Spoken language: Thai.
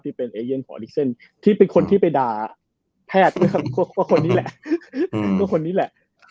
ที่เป็นเอเยนของเอลิกเซนที่เป็นคนที่ไปด่าแพทย์ก็คนนี้แหละ